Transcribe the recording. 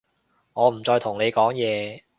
我唔再同你講嘢